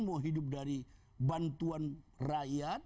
mau hidup dari bantuan rakyat